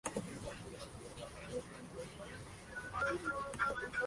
Todavía muy niño, descubrió su vocación, tras leer dos tomos de "El Hombre Enmascarado".